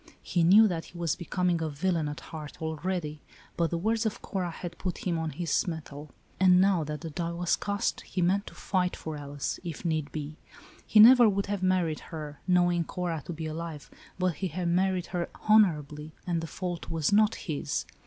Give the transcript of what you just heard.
He knew that he was becoming a villain at heart already,' but the words of Cora had put him on his mettle, and now that the die was cast, he meant to fight for Alice, if need be. He never would have married her, knowing Cora to be alive, but he had married her honorably, and the fault was not his.